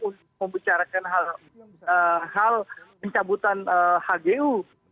untuk membicarakan hal pencabutan hgu